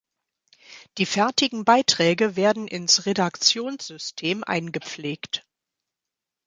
Die fertigen Beiträge werden ins Redaktionssystem eingepflegt.